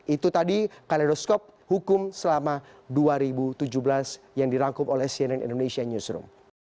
itu tadi kaledoskop hukum selama dua ribu tujuh belas yang dirangkum oleh cnn indonesia newsroom